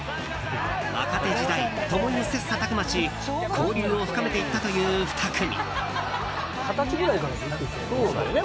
若手時代、共に切磋琢磨し交流を深めていったという２組。